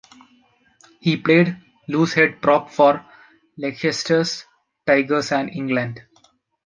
He played loosehead prop for Leicester Tigers and England.